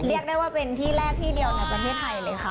เรียกได้ว่าเป็นที่แรกที่เดียวในประเทศไทยเลยค่ะ